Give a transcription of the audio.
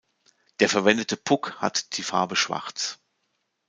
Der verwendete Puck hat die Farbe schwarz.